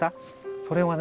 それはね